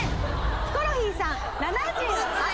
ヒコロヒーさん７８点。